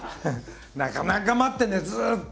なかなか待ってんだよずっと。